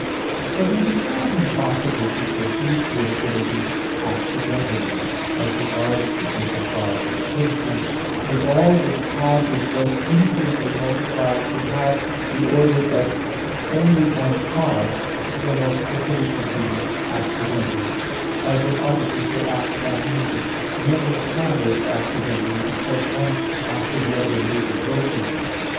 But it is not impossible to proceed to infinity accidentally as regards efficient causes; for instance, if all the causes thus infinitely multiplied should have the order of only one cause, their multiplication being accidental, as an artificer acts by means of many hammers accidentally, because one after the other may be broken.